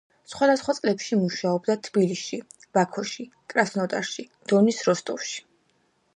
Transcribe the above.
სხვადასხვა წლებში მუშაობდა თბილისში, ბაქოში, კრასნოდარში, დონის როსტოვში.